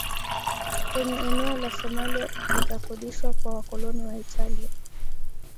Kwenye eneo la Somalia ikakodishwa kwa wakoloni wa Italia